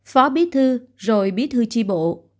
phó bí thư rồi bí thư chi bộ